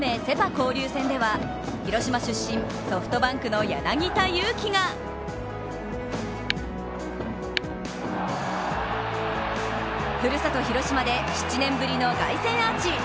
交流戦では、広島出身、ソフトバンクの柳田悠岐がふるさと・広島で７年ぶりの凱旋アーチ。